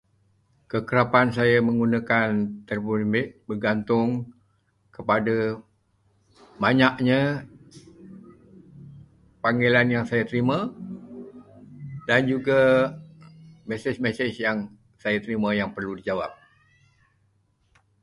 Kekerapan saya menggunakan telefon bimbit bergantung kepada banyaknya panggilan yang saya terima dan juga mesej-mesej yang saya terima yang perlu dijawab.